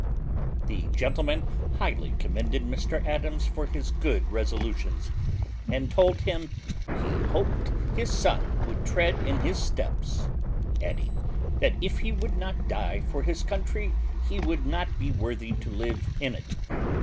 _ The gentleman highly commended Mr Adams for his good resolutions, and told him, "He hoped his son would tread in his steps;" adding, "that if he would not die for his country, he would not be worthy to live in it.